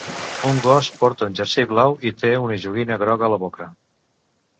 Un gos porta un jersei blau i té una joguina groga a la boca.